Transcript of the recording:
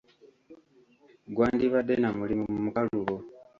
Gwandibadde na mulimu mukalubo.